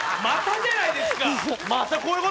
またじゃないですか！